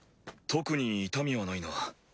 特に痛みはないな。